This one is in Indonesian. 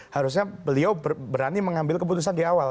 harusnya beliau berani mengambil keputusan di awal